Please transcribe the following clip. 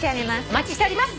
お待ちしております。